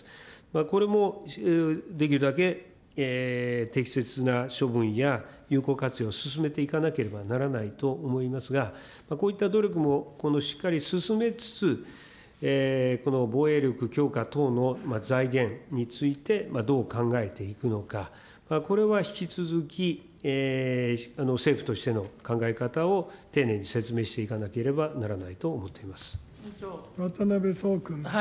これもできるだけ適切な処分や有効活用、進めていかなければならないと思いますが、こういった努力も、しっかり進めつつ、防衛力強化等の財源について、どう考えていくのか、これは引き続き政府としての考え方を丁寧に説明していかなければ渡辺創君。